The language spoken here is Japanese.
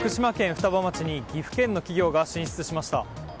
双葉町に岐阜県の企業が進出しました。